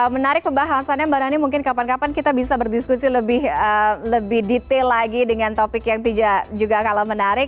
menarik pembahasannya mbak rani mungkin kapan kapan kita bisa berdiskusi lebih detail lagi dengan topik yang juga kalah menarik